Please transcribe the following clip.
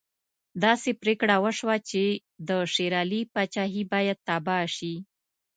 داسې پرېکړه وشوه چې د شېر علي پاچهي باید تباه شي.